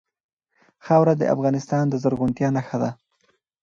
خاوره د افغانستان د زرغونتیا نښه ده.